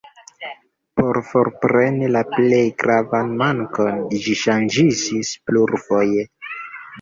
Por forpreni la plej gravan mankon ĝi ŝanĝiĝis plurfoje.